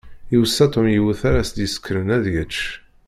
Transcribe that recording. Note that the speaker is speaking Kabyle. Iweṣṣa Tom yiwet ara s-d-isekren ad yečč.